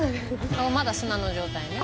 まだ砂の状態ね。